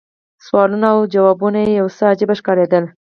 سوالونه او ځوابونه یې یو څه عجیب ښکارېدل.